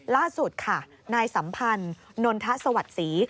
ล่าสุดค่ะนายสัมพันธ์นนทสวัสดิ์ศรี